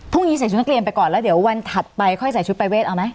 ใส่ชุดนักเรียนไปก่อนแล้วเดี๋ยววันถัดไปค่อยใส่ชุดปรายเวทเอาไหม